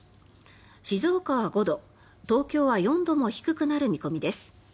静岡は５度、東京は４度も低くなる見込みです。